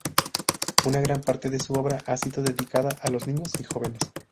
Una gran parte de su obra ha sido dedicada a los niños y jóvenes.